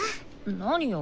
何よ？